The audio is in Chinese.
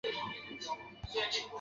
母苗氏。